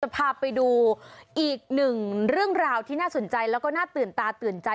พาไปดูอีกหนึ่งเรื่องราวที่น่าสนใจแล้วก็น่าตื่นตาตื่นใจ